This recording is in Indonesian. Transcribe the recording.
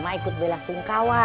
mak ikut belah sungkawa